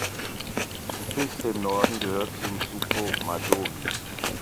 Die Küste im Norden gehört zum Suco Madohi.